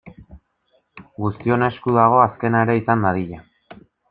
Guztion esku dago azkena ere izan dadila.